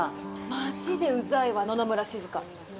まじでうざいわ、野々村静。